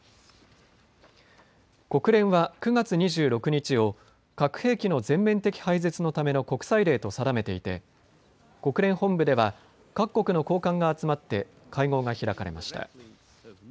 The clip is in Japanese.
国連は９月２６日を核兵器の全面的廃絶のための国際デーと定めていて国連本部では各国の高官が集まって会合が開かれました。